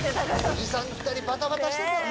おじさん２人バタバタしてたな。